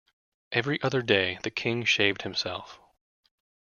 Every other day the King shaved himself.